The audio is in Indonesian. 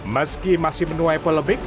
meski masih menuai polemik